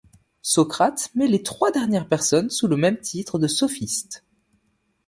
Socrate met les trois dernières personnes sous le même titre de sophiste.